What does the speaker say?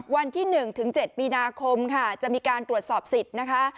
วันที่๑๗มีนาคมค่ะจะมีการตรวจสอบสิทธิ์นะคะ